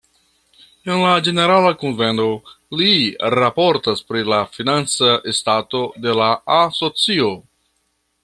En la ĝenerala kunveno li raportas pri la financa stato de la asocio.